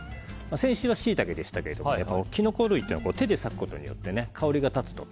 先週はシイタケでしたけどキノコ類は手で裂くことで香りが立つ。